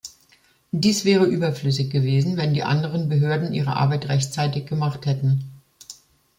Dies wäre überflüssig gewesen, wenn die anderen Behörden ihre Arbeit rechtzeitig gemacht hätten.